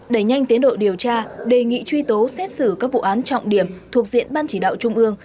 đẩy nhanh tiến độ điều tra đề nghị truy tố xét xử các vụ án trọng điểm thuộc diện ban chỉ đạo trung ương